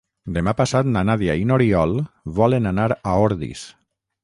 Demà passat na Nàdia i n'Oriol volen anar a Ordis.